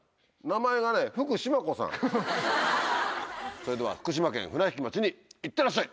それでは福島県船引町に行ってらっしゃい。